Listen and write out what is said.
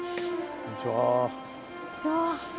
こんにちは。